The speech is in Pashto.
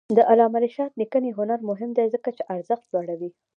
د علامه رشاد لیکنی هنر مهم دی ځکه چې ارزښت لوړوي.